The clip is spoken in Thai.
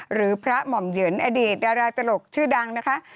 หรือพระหม่อมเหยินอดีตดาราตลกชื่อดังนะคะ